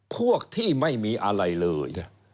พวกที่ไม่มีอะไรเลย